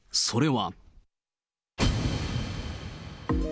それは。